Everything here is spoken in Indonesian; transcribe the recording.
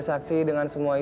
pasti bisa aku melemah